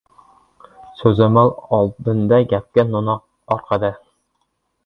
• So‘zamol ― oldinda, gapga no‘noq ― orqada.